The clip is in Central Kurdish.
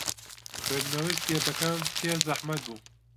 خوێندنەوەی کتێبەکەم پێ زەحمەت بوو.